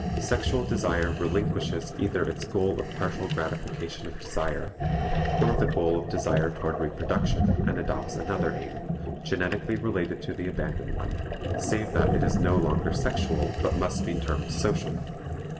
Sexual desire relinquishes either its goal of partial gratification of desire, or the goal of desire toward reproduction, and adopts another aim, genetically related to the abandoned one, save that it is no longer sexual but must be termed social.